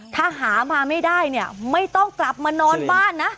ถ้าหามาไม่ได้เนี่ยไม่ต้องกลับมานอนบ้านนะ